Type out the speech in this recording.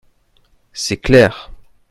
C’est clair